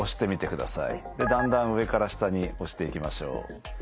だんだん上から下に押していきましょう。